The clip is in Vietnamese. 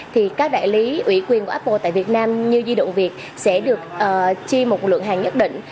thì các đại lý ủy quyền của apple tại việt nam như di động việt sẽ được chi một lượng hàng nhất định